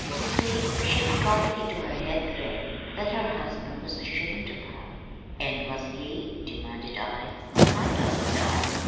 You see, she'd got it into her head then that her husband was ashamed of her." "And was he?" demanded I. "I don't know.